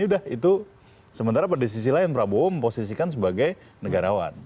sudah itu sementara pada sisi lain prabowo memposisikan sebagai negarawan